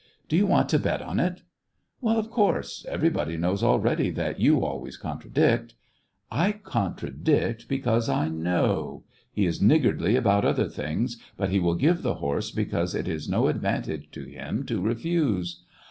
Do you want to bet on it ?..."" Well, of course, everybody knows already that you always contradict." " I contradict because I know. He is niggardly about other things, but he will give the horse because it is no advantage to him to refuse."